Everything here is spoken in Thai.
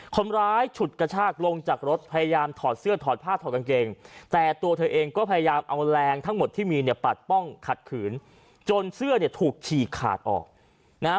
ฉุดกระชากลงจากรถพยายามถอดเสื้อถอดผ้าถอดกางเกงแต่ตัวเธอเองก็พยายามเอาแรงทั้งหมดที่มีเนี่ยปัดป้องขัดขืนจนเสื้อเนี่ยถูกฉีกขาดออกนะฮะ